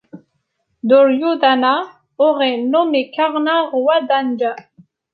Duryodhana aurait nommé Karna roi d'Anga.